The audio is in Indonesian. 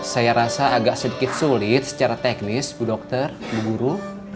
saya rasa agak sedikit sulit secara teknis bu dokter ibu guru